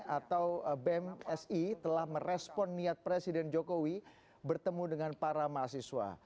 atau bemsi telah merespon niat presiden jokowi bertemu dengan para mahasiswa